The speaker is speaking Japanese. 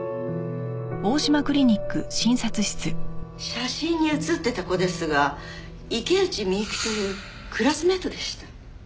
写真に写ってた子ですが池内美雪というクラスメートでした。